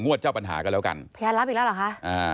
เจ้าปัญหาก็แล้วกันพยานรับอีกแล้วเหรอคะอ่า